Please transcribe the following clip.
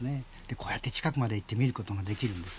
こうやって近くまで行って見ることができるんです。